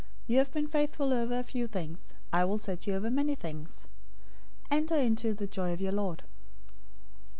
You have been faithful over a few things, I will set you over many things. Enter into the joy of your lord.'